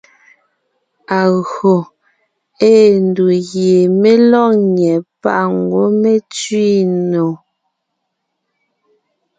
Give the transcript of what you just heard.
Agÿò ée ndù gie mé lɔ́g nyɛ́ páʼ ngwɔ́ mé tsẅi nò.